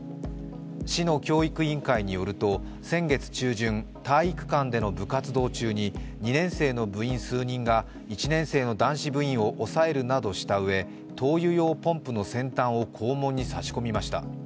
市の教育委員会によると先月中旬、体育館での部活動中に２年生の部員数人が１年生の男子部員を押さえるなどしたうえ灯油用ポンプの先端を肛門に差し込みました。